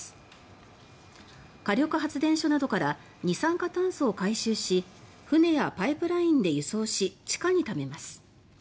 火力発電所などから二酸化炭素を回収し船やパイプラインで輸送し地下にためます。